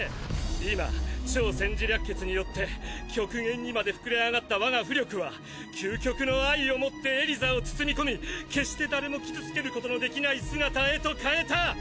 今『超・占事略決』によって極限にまで膨れ上がった我が巫力は究極の愛をもってエリザを包み込み決して誰も傷つけることのできない姿へと変えた。